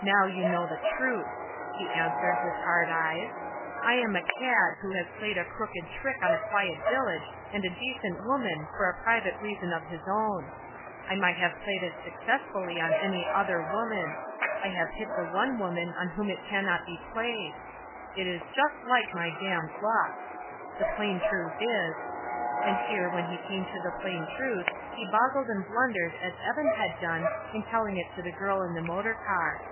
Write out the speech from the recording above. "Now you know the truth," he answered, with hard eyes. "I am a cad who has played a crooked trick on a quiet village and a decent woman for a private reason of his own. I might have played it successfully on any other woman; I have hit the one woman on whom it cannot be played. It's just like my damned luck. The plain truth is," and here when he came to the plain truth he boggled and blundered as Evan had done in telling it to the girl in the motor car.